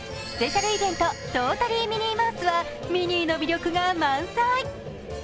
スペシャルイベント「トータリー・ミニーマウス」はミニーの魅力が満載。